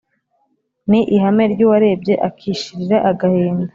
Ni ihame ry'uwarebye Akishirira agahinda.